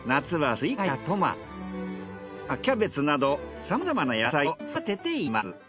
冬はキャベツなどさまざまな野菜を育てています。